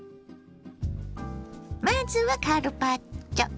まずはカルパッチョ。